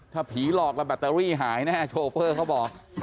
ถ้าผีหลอกแล้วแบตเตอรี่หายแน่โชเฟอร์เขาบอก